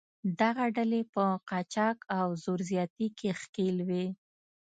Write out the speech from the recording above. دغه ډلې په قاچاق او زور زیاتي کې ښکېل وې.